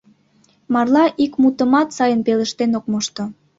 Марла ик мутымат сайын пелештен ок мошто.